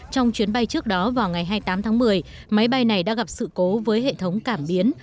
trong chuyến bay trước đó vào ngày hai mươi tám tháng một mươi máy bay này đã gặp sự cố với hệ thống cảm biến